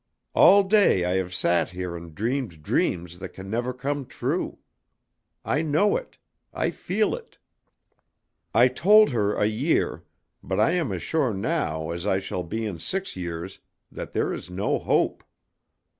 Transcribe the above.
"All day I have sat here and dreamed dreams that can never come true. I know it; I feel it. I told her a year, but I am as sure now as I shall be in six years, that there is no hope.